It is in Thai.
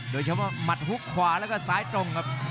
โดยเฉพาะมัดฮุกขวาแล้วก็ซ้ายตรงครับ